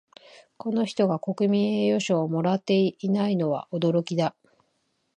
この人が国民栄誉賞をもらっていないのは驚きだ